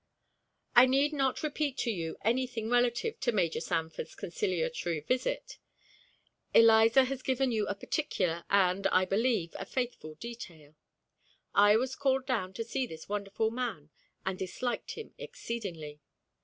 I need not repeat to you any thing relative to Major Sanford's conciliatory visit. Eliza has given you a particular, and, I believe, a faithful detail. I was called down to see this wonderful man, and disliked him exceedingly.